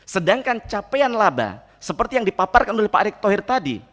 sedangkan capaian laba seperti yang dipaparkan oleh pak erick thohir tadi